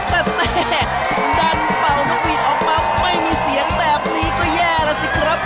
แต่นั้นเบานกหวีออกมาไม่มีเสียงแบบนี้ก็แย่ล่ะสิครับ